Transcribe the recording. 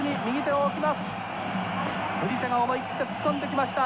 藤瀬が思い切って突っ込んできました。